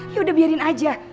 ya udah biarin aja